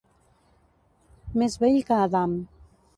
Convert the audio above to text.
Més vell que Adam.